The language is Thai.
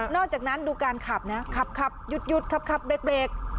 อกจากนั้นดูการขับนะขับหยุดขับเบรก